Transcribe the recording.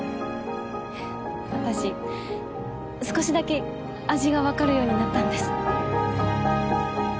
ははっ私少しだけ味がわかるようになったんです。